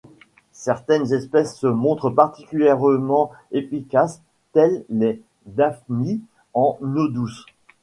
Certaines espèces se montrent particulièrement efficaces, telles les daphnies en eau douce.